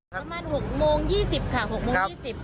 ประมาณหกโมงยี่สิบค่ะหกโมงยี่สิบ